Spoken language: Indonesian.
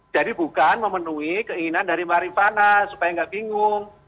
jadi bukan memenuhi keinginan dari marifana supaya tidak bingung